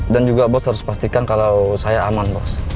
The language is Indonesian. dan juga bos harus pastikan kalau saya aman bos